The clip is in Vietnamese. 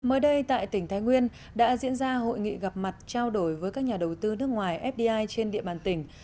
mới đây tại tỉnh thái nguyên đã diễn ra hội nghị gặp mặt trao đổi với các nhà đầu tư nước ngoài fdi trên địa bàn tỉnh